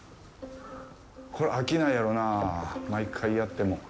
これ飽きないやろなあ、毎回やっても。